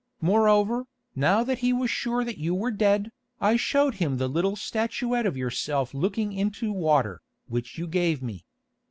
Moreover, now that he was sure that you were dead, I showed him the little statuette of yourself looking into water, which you gave me.